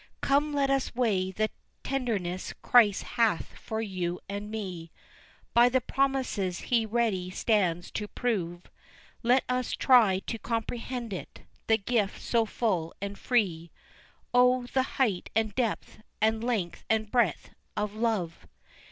Come let us weigh the tenderness Christ hath for you and me, By the promises He ready stands to prove, Let us try to comprehend it, the gift so full and free, O the height and depth, and length and breadth, of Love!